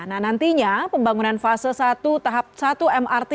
nah nantinya pembangunan fase satu tahap satu mrt